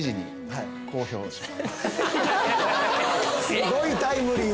すごいタイムリー。